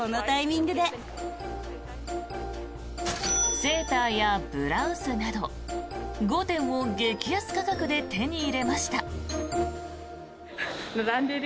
セーターやブラウスなど５点を激安価格で手に入れました。